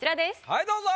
はいどうぞ。